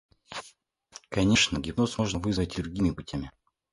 Конечно, гипноз можно вызвать и другими путями.